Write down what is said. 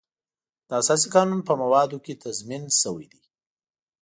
د اساسي قانون په موادو کې تضمین شوی دی.